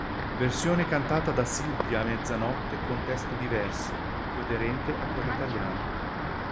Versione cantata da Silvia Mezzanotte con testo diverso, più aderente a quello italiano.